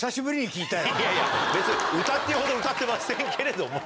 いやいや別に「歌」っていうほど歌ってませんけれども。